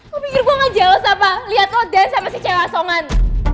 lo pikir gue gak jelas apa liat lo dance sama si cewek asongan